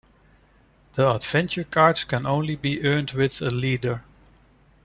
The adventure cards can only be earned with a leader.